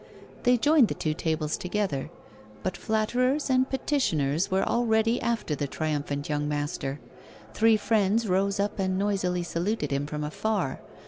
They joined the two tables together. But flatterers and petitioners were already after the triumphant young master. Three friends rose up and noisily saluted him from afar.